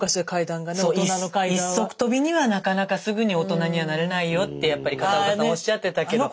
一足飛びにはなかなかすぐに大人にはなれないよってやっぱり片岡さんおっしゃってたけど。